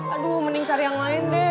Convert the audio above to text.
aduh mending cari yang lain deh